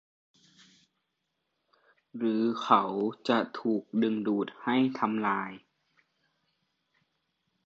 หรือเขาจะถูกดึงดูดให้ทำลาย